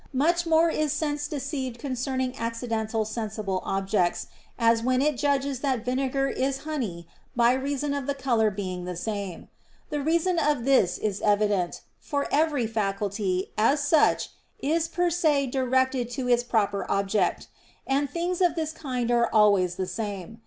Much more is sense deceived concerning accidental sensible objects, as when it judges that vinegar is honey by reason of the color being the same. The reason of this is evident; for every faculty, as such, is per se directed to its proper object; and things of this kind are always the same.